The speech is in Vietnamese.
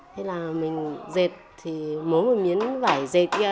thế là mình dệt mỗi miếng vải dệt kia